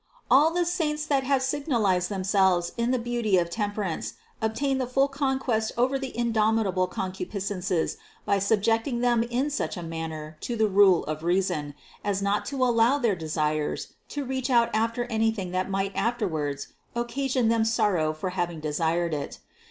587. All the saints that have signalized themselves in the beauty of temperance, obtained the full conquest over the indomitable concupiscences by subjecting them in such a manner to the rule of reason, as not to allow their desires to reach out after anything that might afterwards occasion them sorrow for having desired it.